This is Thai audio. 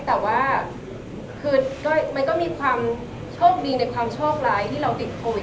แต่ว่าคือมันก็มีความโชคดีในความโชคร้ายที่เราติดโควิด